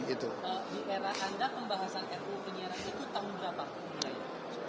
di era anda pembahasan ru penjara itu tahun berapa mulai